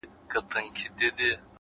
د دوزخي حُسن چيرمني جنتي دي کړم؛